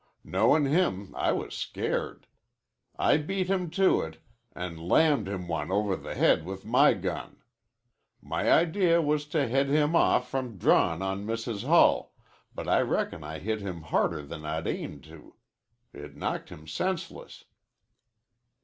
Knowin' him, I was scared. I beat him to it an' lammed him one over the head with my gun. My idea was to head him off from drawin' on Mrs. Hull, but I reckon I hit him harder than I'd aimed to. It knocked him senseless."